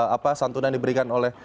apa santunan diberikan oleh